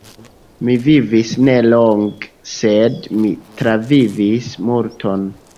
Mi vivis ne longe, sed mi travivis multon.